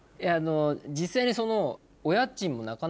実際にその。